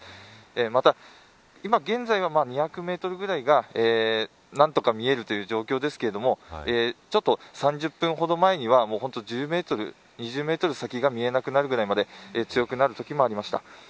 また、今現在は２００メートルぐらいが何とか見えるという状況ですけど３０分ほど前には本当に、１０メートル２０メートル先が見えなくなるぐらいまで強くなることがありました。